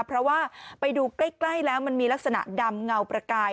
เพราะว่าไปดูใกล้แล้วมันมีลักษณะดำเงาประกาย